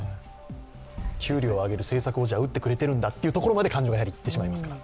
給料を上げる政策を打ってくれてるのかっていうところまで感情がいってしまいますから。